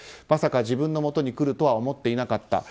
まさか自分のもとに来るとは思っていなかった。